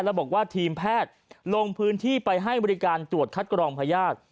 แล้วบอกว่าทีมแพทย์ลงพื้นที่ไปให้บริการตรวจคัดกรองพญาติ